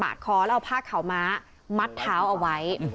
คอแล้วเอาผ้าขาวม้ามัดเท้าเอาไว้